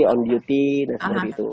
on duty nah seperti itu